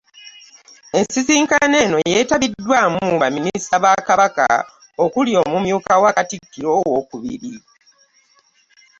Ensisinkano eno yeetabiddwamu ba minisita ba Kabaka okulo omumyuka wa katikkiro owookubiri